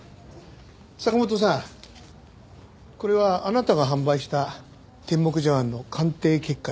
坂本さんこれはあなたが販売した天目茶碗の鑑定結果です。